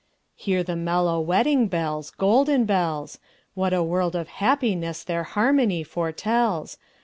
Hear the mellow wedding bells, Golden bells! What a world of happiness their harmony foretells!